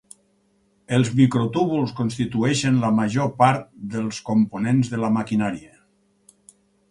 Els microtúbuls constitueixen la major part del components de la maquinària.